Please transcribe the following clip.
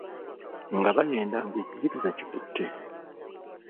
Nga bayenda nga ekizikiza kikutte!